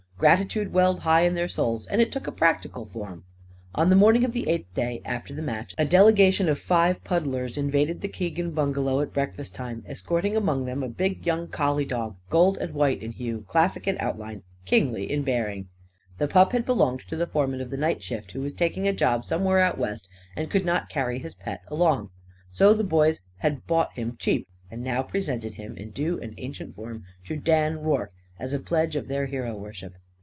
Gratitude welled high in their souls. And it took a practical form. On the morning of the eighth day after the match, a delegation of five puddlers invaded the Keegan bungalow at breakfast time; escorting among them a big young collie dog, gold and white in hue, classic in outline, kingly in bearing. The pup had belonged to the foreman of the night shift, who was taking a job somewhere out West and could not carry his pet along. So the boys had bought him cheap; and now presented him in due and ancient form to Dan Rorke, as a pledge of their hero worship.